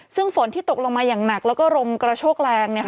ซึ่งฝนที่ตกลงมาอย่างหนักแล้วก็ลมกระโชกแรง